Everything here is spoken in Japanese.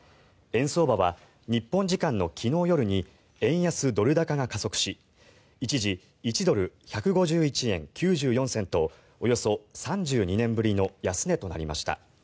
円相場は日本時間の昨日夜に円安・ドル高が加速し一時１ドル＝１５１円９４銭とおよそ３２年ぶりの安値となりました。